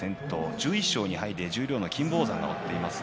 １１勝２敗で十両、金峰山が追っています。